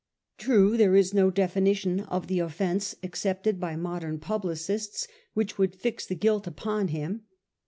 True, there is no definition of the offence accepted by modern publicists which would fix the guilt upon him.